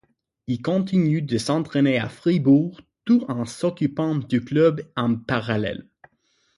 Il continue de s'entrainer à Fribourg tout en s'occupant du club en parallèle.